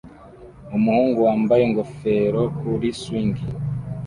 Umuhungu wambaye ingofero kuri swing